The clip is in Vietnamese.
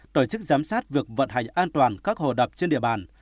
tổ chức giám sát việc vận hành an toàn các hồ đập trên địa bàn